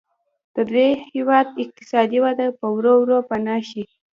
د دې هېواد اقتصادي وده به ورو ورو پناه شي.